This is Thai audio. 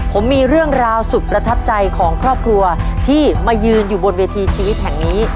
ผมมีเรื่องราวสุดประทับใจของครอบครัวที่มายืนอยู่บนเวทีชีวิตแห่งนี้